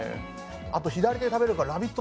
あと、左で食べるから「ラヴィット！」